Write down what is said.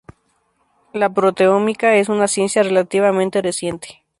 La proteómica es una ciencia relativamente reciente.